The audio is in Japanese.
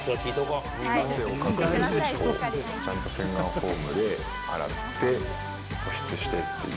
汗をかくとちゃんと洗顔フォームで洗って、保湿してっていう。